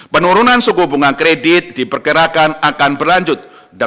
penurunan suku bunga kredit diperkirakan akan berlanjut